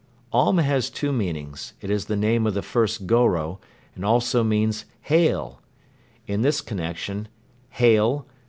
"Om" has two meanings. It is the name of the first Goro and also means: "Hail!" In this connection: "Hail!